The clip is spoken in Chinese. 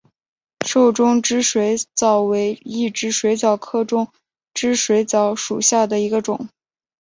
瘦中肢水蚤为异肢水蚤科中肢水蚤属下的一个种。